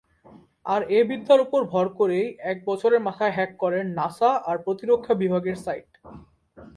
আর এ বিদ্যার উপর ভর করেই এক বছরের মাথায় হ্যাক করেন নাসা আর প্রতিরক্ষা বিভাগের সাইট।